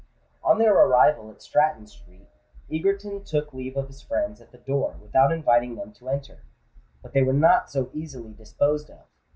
On their arrival at Stratton Street, Egerton took leave of his friends at the door without inviting them to enter; but they were not so easily disposed of.